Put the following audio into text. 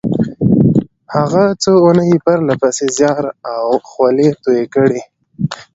هغه څو اونۍ پرله پسې زيار او خولې تويې کړې.